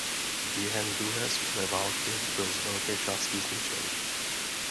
Během druhé světové války byl z velké části zničen.